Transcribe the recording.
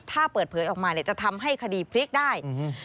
ถ้าเปิดเผยออกมาจะทำให้คดีพลิกได้